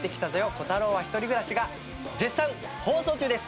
コタローは１人暮らし』が絶賛放送中です！